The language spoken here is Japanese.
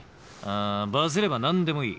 あバズれば何でもいい。